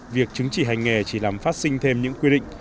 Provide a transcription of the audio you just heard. việc chứng chỉ hành nghề chỉ làm phát sinh thêm những quy định